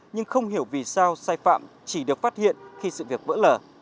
nhưng không hiểu vì sao sai phạm chỉ được phát hiện khi sự việc vỡ lở